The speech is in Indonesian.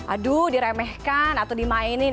aduh diremehkan atau dimainin